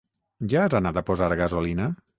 Ja has anat a posar gasolina?